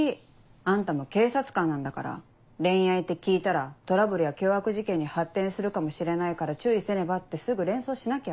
あんたも警察官なんだから恋愛って聞いたらトラブルや凶悪事件に発展するかもしれないから注意せねばってすぐ連想しなきゃ。